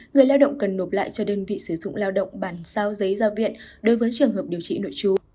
người lao động cần nộp lại cho đơn vị sử dụng lao động bản sao giấy ra viện đối với trường hợp điều trị nội chú